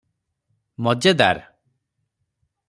ମଜେଦାର!